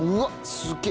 すげえ。